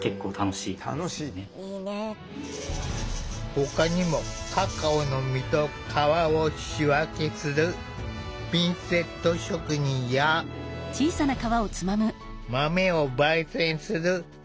ほかにもカカオの実と皮を仕分けするピンセット職人や豆をばい煎するロースト職人。